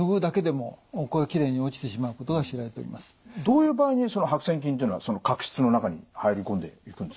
どういう場合に白癬菌っていうのは角質の中に入り込んでいくんですか？